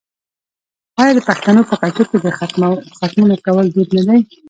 آیا د پښتنو په کلتور کې د ختمونو کول دود نه دی؟